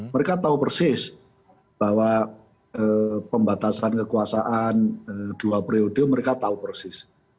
mereka tahu persis bahwa pembatasan kekuasaan dua periode mereka tahu persis